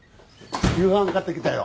夕飯買ってきたよ。